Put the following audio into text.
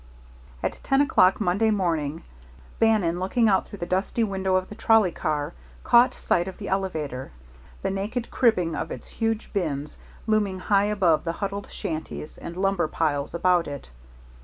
At ten o'clock Monday morning, Bannon, looking out through the dusty window of the trolley car, caught sight of the elevator, the naked cribbing of its huge bins looming high above the huddled shanties and lumber piles about it.